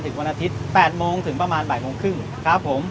วันอาทิตย์๘โมงถึงประมาณบ่ายโมงครึ่งครับผม